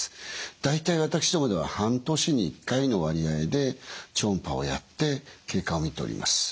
大体私どもでは半年に１回の割合で超音波をやって経過を見ております。